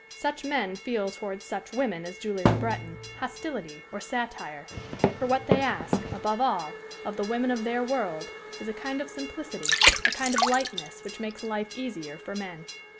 Such men feel towards such women as Julie Le Breton hostility or satire; for what they ask, above all, of the women of their world is a kind of simplicity, a kind of lightness which makes life easier for men.